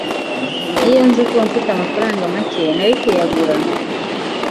Iyo nza kuba mfite amafaranga make, nari kuyagura.